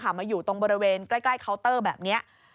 มาอยู่ตรงบริเวณใกล้เคาน์เตอร์แบบนี้